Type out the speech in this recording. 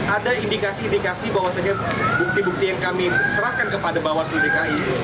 ada indikasi indikasi bahwasannya bukti bukti yang kami serahkan kepada bawaslu dki